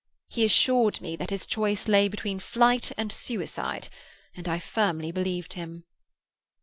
He assured me that his choice lay between flight and suicide, and I firmly believed him."